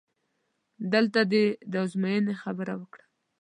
دلته دې د ازموینې خبره وکړه؟!